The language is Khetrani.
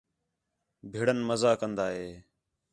پھرݨ مزا کندہ ہے